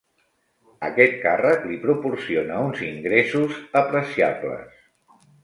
Aquest càrrec li proporciona uns ingressos apreciables.